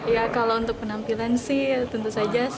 ya kalau untuk penampilan sih ya tentu saja